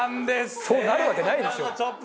そうなるわけないでしょ。